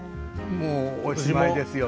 もうおしまいですよ